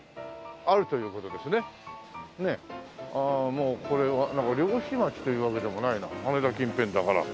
もうこれは漁師町というわけでもないな羽田近辺だから。